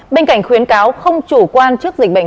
bên cạnh khuyến cáo không chủ quan trước dịch bệnh